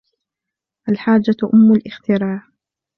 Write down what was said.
الحاجة أم الإختراع.